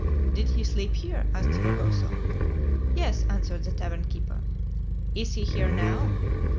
"Did he sleep here?" asked Fragoso. "Yes," answered the tavern keeper. "Is he here now?"